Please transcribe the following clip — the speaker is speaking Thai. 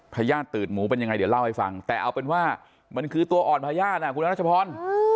ญาติตืดหมูเป็นยังไงเดี๋ยวเล่าให้ฟังแต่เอาเป็นว่ามันคือตัวอ่อนพญาติคุณอรัชพร